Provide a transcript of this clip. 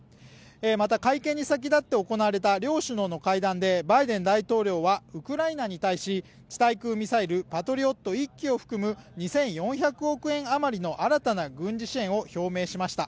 また会見に先立って行われた両首脳の会見でバイデン大統領はウクライナに対し、地対空ミサイルシステム、パトリオット１機を含む２４００億円余りの新たな軍事支援を表明しました。